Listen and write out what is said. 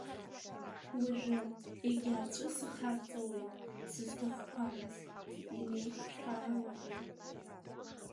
Уажәы егьа аҵәы сахарҵауеит сызҭахқәамыз инеихҳәаалауа…